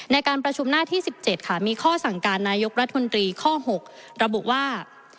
ในการประชุมหน้าที่๑๗ค่ะมีข้อสั่งการนายกรัฐมนตรีข้อ๖ระบุว่า